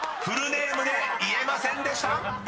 フルネームで言えませんでした］